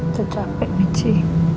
udah capek michi